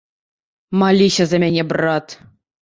Маліся за мяне, брат.